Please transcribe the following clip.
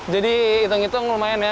jadi hitung hitung lumayan ya